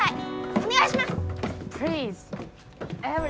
お願いします！